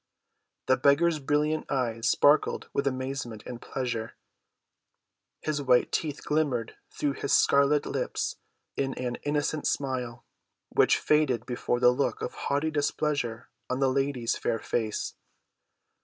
The beggar's brilliant eyes sparkled with amazement and pleasure; his white teeth glimmered through his scarlet lips in an innocent smile, which faded before the look of haughty displeasure on the lady's fair face.